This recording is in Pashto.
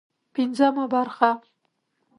پنځمه برخه